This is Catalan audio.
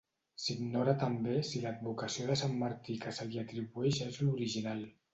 S'ignora també si l'advocació de sant Martí que se li atribueix és l'original.